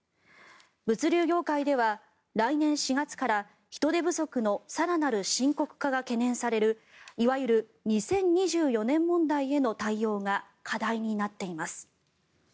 物流業界では来年４月から人手不足の更なる深刻化が懸念されるいわゆる２０２４年問題への対応が課題になっています。